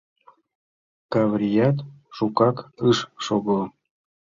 Каврият шукак ыш шого.